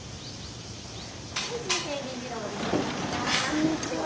こんにちは。